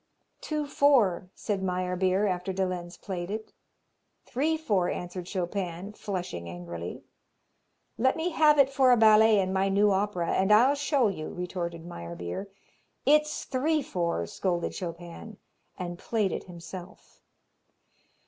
"Two four," said Meyerbeer, after de Lenz played it. "Three four," answered Chopin, flushing angrily. "Let me have it for a ballet in my new opera and I'll show you," retorted Meyerbeer. "It's three four," scolded Chopin, and played it himself.